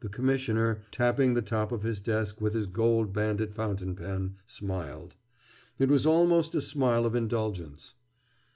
The Commissioner, tapping the top of his desk with his gold banded fountain pen, smiled. It was almost a smile of indulgence.